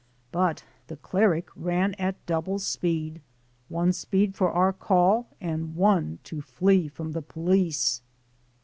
But the cleric ran at double speed, one speed for our call and one to flee from the police.